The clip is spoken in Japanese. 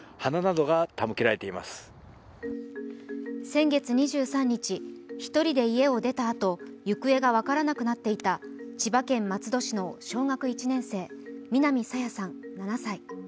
先月２３日、一人で家を出たあと、行方が分からなくなっていた千葉県松戸市の小学１年生、南朝芽さん７歳。